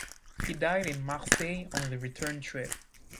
He died in Marseille on the return trip.